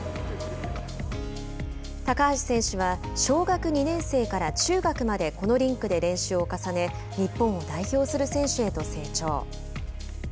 高橋選手は小学２年生から中学までこのリンクで練習を重ね日本を代表する選手へと成長。